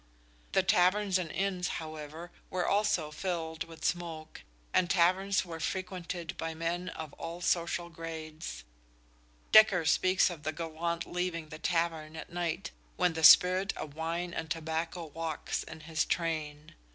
The taverns and inns, however, were also filled with smoke, and taverns were frequented by men of all social grades. Dekker speaks of the gallant leaving the tavern at night when "the spirit of wine and tobacco walkes" in his train.